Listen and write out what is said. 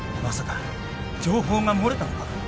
まさか情報が漏れたのか？